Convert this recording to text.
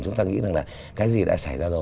chúng ta nghĩ rằng là cái gì đã xảy ra rồi